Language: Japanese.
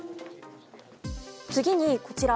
次に、こちら。